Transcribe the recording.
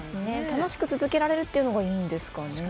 楽しく続けられるというのがいいんですかね。